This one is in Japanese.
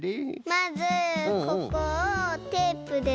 まずここをテープでとめて。